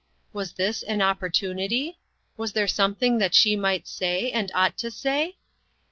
Was this an opportunit}' ? Was there something that she might say, and ought to say